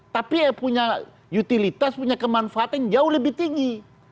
tapi punya utilitas punya kemanfaatan jauh lebih tinggi